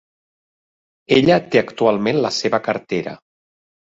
Ella té actualment la seva cartera.